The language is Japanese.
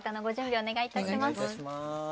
お願いいたします。